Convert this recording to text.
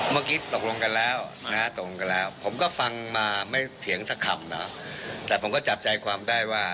เมื่อกี้ตกลงกันแล้วผมก็ฟังมาไม่เถียงสักคำแต่ผมก็จับใจความได้ว่า